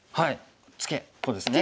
ツケこうですね。